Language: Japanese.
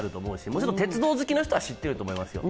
もちろん鉄道好きの人は知っていると思いますよ。